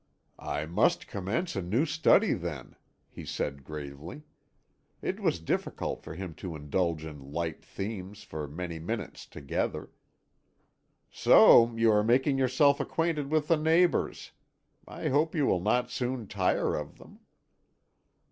"I must commence a new study, then," he said gravely; it was difficult for him to indulge in light themes for many minutes together. "So you are making yourself acquainted with the neighbours. I hope you will not soon tire of them."